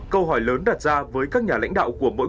câu hỏi lớn đặt ra với các nhà lãnh đạo của mỗi